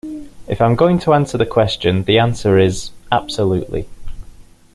If I'm going to answer the question, the answer is: absolutely.